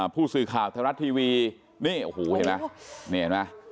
ผู้สื่อข่าวทะลัดทีวีนี่เห็นไหม